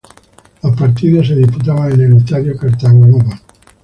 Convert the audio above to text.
Los partidos se disputaban en el estadio Cartagonova.